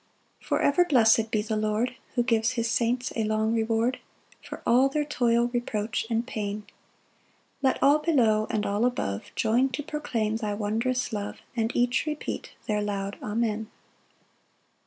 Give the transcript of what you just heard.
4 For ever blessed be the Lord, Who gives his saints a long reward For all their toil, reproach and pain; Let all below and all above Join to proclaim thy wondrous love, And each repeat their loud Amen.